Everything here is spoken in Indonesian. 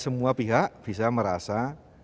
semua pihak bisa merasa